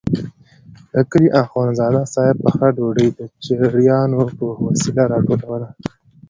د کلي اخندزاده صاحب پخه ډوډۍ د چړیانو په وسیله راټولوله.